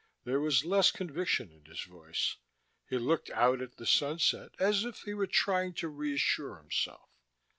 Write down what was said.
There was less conviction in his voice; he looked out at the sunset as if he were trying to reassure himself.